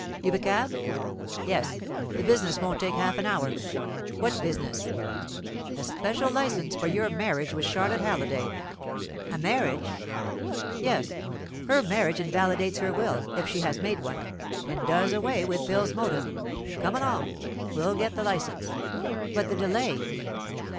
You've a cab? Yes; the business won't take half an hour." "What business?" "A special licence for your marriage with Charlotte Halliday." "A marriage?" "Yes; her marriage invalidates her will, if she has made one, and does away with Phil's motive. Come along; we'll get the licence." "But the delay?"